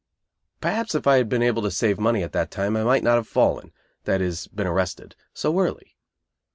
Perhaps if I had been able to save money at that time I might not have fallen (that is, been arrested) so early.